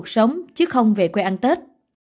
sống chứ không về quê ăn tết